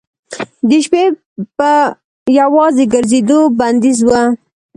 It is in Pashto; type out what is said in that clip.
د شپې په یوازې ګرځېدو بندیز و.